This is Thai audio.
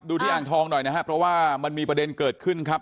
ที่อ่างทองหน่อยนะครับเพราะว่ามันมีประเด็นเกิดขึ้นครับ